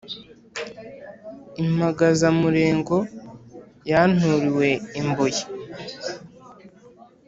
impangazamurego yanturiwe i Mbuye